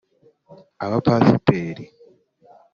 abapasiteri